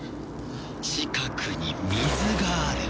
近くに水がある。